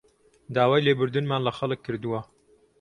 داوای لێبوردنمان لە خەڵک کردووە